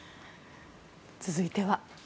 続いては。